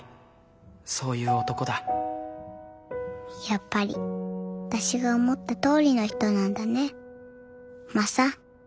やっぱり私が思ったとおりの人なんだねマサ。